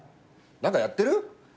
何かやってる？